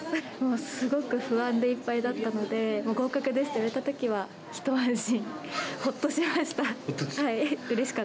すごく不安でいっぱいだったので、合格ですと言われたときはひと安心、ほっとしました。